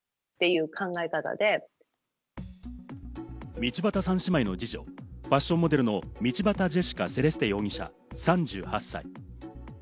道端三姉妹の二女、ファッションモデルの道端ジェシカ・セレステ容疑者、３８歳。